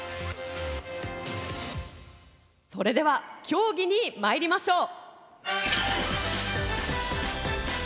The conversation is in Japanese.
それでは競技にまいりましょう。